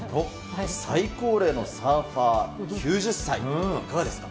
最高齢のサーファー、９０歳、いかがですか。